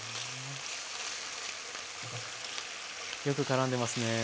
よくからんでますね。